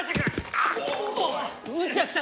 あっ！